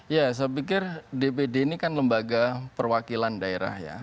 ya saya pikir dpd ini kan lembaga perwakilan daerah ya